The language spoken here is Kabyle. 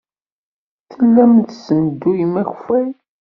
Tellam tessenduyem akeffay.